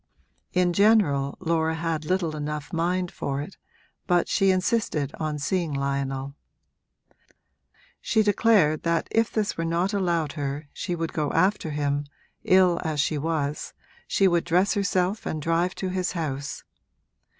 In general Laura had little enough mind for it, but she insisted on seeing Lionel: she declared that if this were not allowed her she would go after him, ill as she was she would dress herself and drive to his house.